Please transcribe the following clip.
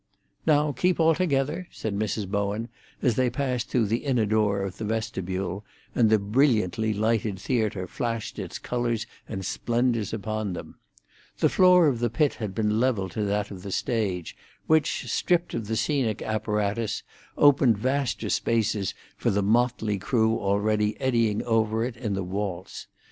"Now, keep all together," said Mrs. Bowen, as they passed through the inner door of the vestibule, and the brilliantly lighted theatre flashed its colours and splendours upon them. The floor of the pit had been levelled to that of the stage, which, stripped of the scenic apparatus, opened vaster spaces for the motley crew already eddying over it in the waltz.